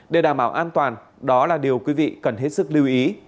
để đảm bảo an toàn đó là điều quý vị cần hết sức lưu ý